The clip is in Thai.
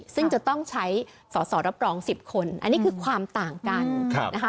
ซึ่งจะต้องใช้สอสอรับรอง๑๐คนอันนี้คือความต่างกันนะคะ